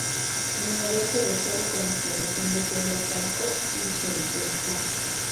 La minería sobresale con la explotación de piedra talco y feldespato.